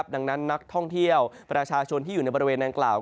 ดังนั้นนักท่องเที่ยวประชาชนที่อยู่ในบริเวณนางกล่าว